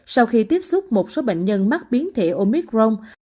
sau khi tiếp xúc một số bệnh nhân mắc biến thể omicron